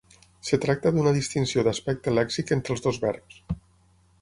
Es tracta d'una distinció d'aspecte lèxic entre els dos verbs.